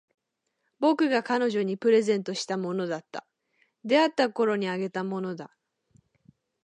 僕が彼女にプレゼントしたものだった。出会ったころにあげたものだ。